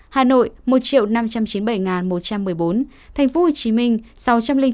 hà nội một năm trăm chín mươi bảy một trăm một mươi bốn tp hcm sáu trăm linh chín một trăm ba mươi